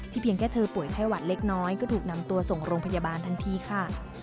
เพียงแค่เธอป่วยไข้หวัดเล็กน้อยก็ถูกนำตัวส่งโรงพยาบาลทันทีค่ะ